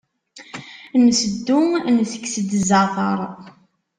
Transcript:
Nteddu ntekkes-d zzeɛter.